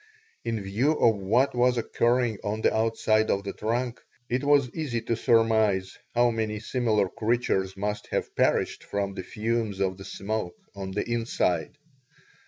In view of what was occurring on the outside of the trunk it was easy to surmise how many similar creatures must have perished from the fumes of the smoke on the inside.